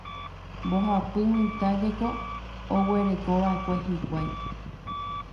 Mbohapy mitã jeko oguerekova'ekue hikuái.